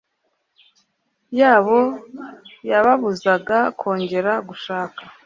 yabo yababuzaga kongera gushaka